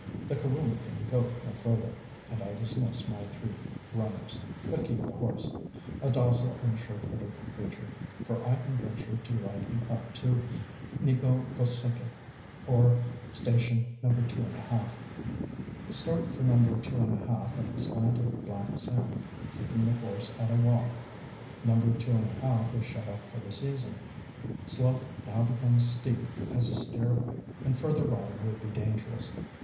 The kuruma can go no further; and I dismiss my three runners, but keep the horse, a docile and surefooted creature; for I can venture to ride him up to Ni g┼Ź gos├®ki, or Station No. 2 1/2. Start for No. 2 1/2 up the slant of black sand, keeping the horse at a walk. No. 2 1/2 is shut up for the season.... Slope now becomes steep as a stairway, and further riding would be dangerous.